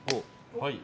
「はい」